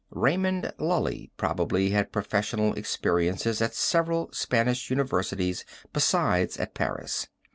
Raymond Lully probably had professional experiences at several Spanish Universities besides at Paris.